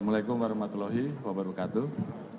assalamu'alaikum warahmatullahi wabarakatuh